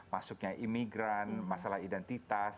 masuknya imigran masalah identitas